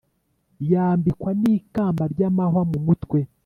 Yambikwa nikamba ryamahwa mu mutwe